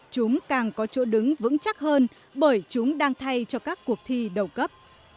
chúng càng có chỗ đứng vững chắc hơn bởi chúng đang thay cho các cuộc thi đầu cấp